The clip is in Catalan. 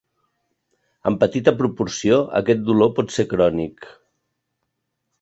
En petita proporció aquest dolor pot ser crònic.